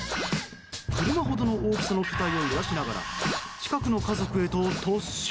車ほどの大きさの巨体を揺らしながら近くの家族へと突進。